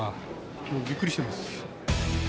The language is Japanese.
もうびっくりしてます。